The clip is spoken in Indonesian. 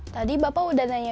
tadi bapak udah nanya